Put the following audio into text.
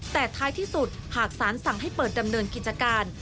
แต่ท้ายที่สุดหากสารสั่งให้เปิดดำเนินกิจการ